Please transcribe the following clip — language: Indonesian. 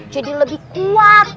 jadi lebih kuat